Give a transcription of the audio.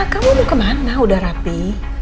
kamu mau ke mana udah rapi